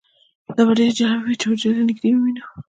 دا به ډیره جالبه وي چې حجرې له نږدې ووینو